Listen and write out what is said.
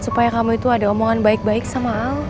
supaya kamu itu ada omongan baik baik sama al